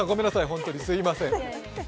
本当にすみません。